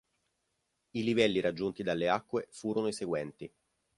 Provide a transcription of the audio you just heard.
I livelli raggiunti dalle acque furono i seguenti.